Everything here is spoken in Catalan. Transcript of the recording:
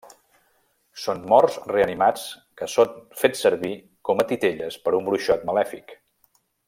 Són morts reanimats que són fets servir com a titelles per un bruixot malèfic.